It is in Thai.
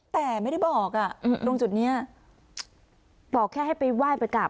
แต่ไม่ได้บอกอ่ะตรงจุดนี้บอกแค่ให้ไปไหว้ไปกราบ